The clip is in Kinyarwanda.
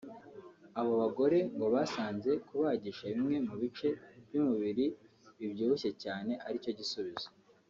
Abo bagore ngo basanze kubagisha bimwe mu bice by’umubiri bibyibushye cyane aricyo gisubizo